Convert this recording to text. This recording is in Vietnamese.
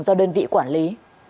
do đơn vị quản lý